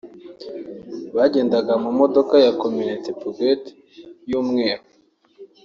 Bagendaga mu modoka ya camionnette Peugeot y’umweru